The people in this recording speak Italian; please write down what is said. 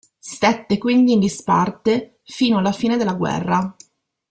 Stette quindi in disparte fino alla fine della guerra.